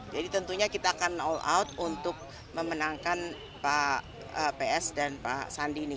jadi tentunya kita akan all out untuk memenangkan pak ps dan pak sandi